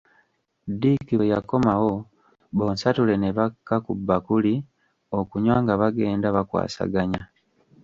Dick bwe yakomawo bonsatule ne bakka ku bbakuli okunywa nga bagenda bakwasaganya.